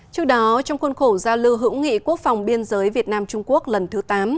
trước đó trong khuôn khổ giao lưu hữu nghị quốc phòng biên giới việt nam trung quốc lần thứ tám